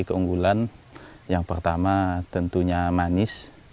jadi keunggulan yang pertama tentunya manis